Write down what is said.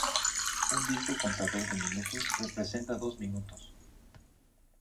Un disco contador de minutos representa dos minutos.